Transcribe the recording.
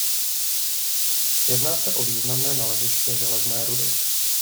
Jedná se o významné naleziště železné rudy.